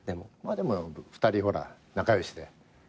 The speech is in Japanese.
でも２人ほら仲良しで。